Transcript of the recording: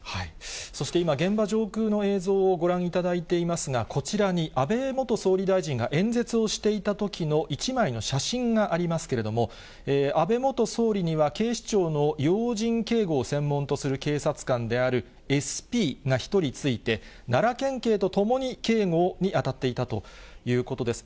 そして今、現場上空の映像をご覧いただいていますが、こちらに安倍元総理大臣が演説をしていたときの１枚の写真がありますけれども、安倍元総理には警視庁の要人警護を専門とする警察官であるＳＰが１人付いて、奈良県警と共に警護に当たっていたということです。